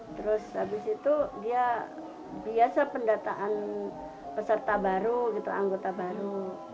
terus habis itu dia biasa pendataan peserta baru gitu anggota baru